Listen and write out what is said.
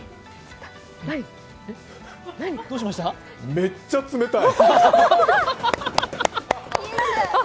めっちゃ冷たい。